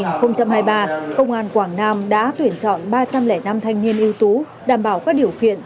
năm hai nghìn hai mươi ba công an quảng nam đã tuyển chọn ba trăm linh năm thanh niên ưu tú đảm bảo các điều kiện